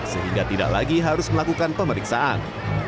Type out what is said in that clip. sehingga tidak lagi harus melakukan pemeriksaan